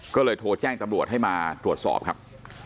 ก็เลยโทรแจ้งตำรวจให้มาตรวจสอบครับ